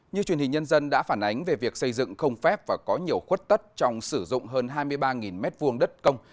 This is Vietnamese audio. như truyền hình nhân dân đã phản ánh về việc xây dựng không phép và có nhiều khuất tất trong sử dụng hơn hai mươi ba m hai đất công